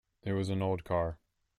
It was an old car.